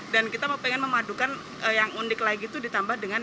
dan kita mau pengen memadukan yang unik lagi itu ditambah dengan